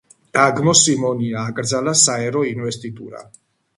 დაგმო სიმონია, აკრძალა საერო ინვესტიტურა.